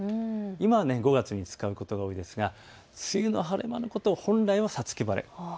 今は５月に使うことが多いですが梅雨の晴れ間のことを本来は五月晴れといいます。